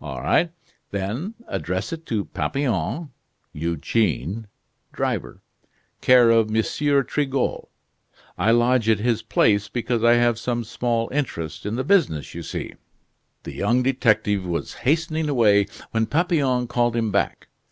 "All right, then. Address it to Papillon (Eugene), driver, care of M. Trigault. I lodge at his place, because I have some small interest in the business, you see." The young detective was hastening away, when Papillon called him back.